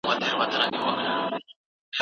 ته باید خپله خپلواکي وساتې.